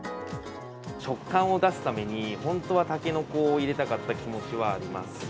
食感を出すために、本当はタケノコを入れたかった気持ちはあります。